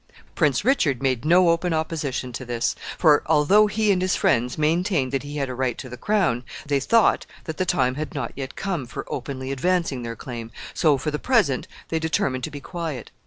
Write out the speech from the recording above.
Prince Richard made no open opposition to this; for, although he and his friends maintained that he had a right to the crown, they thought that the time had not yet come for openly advancing their claim, so for the present they determined to be quiet.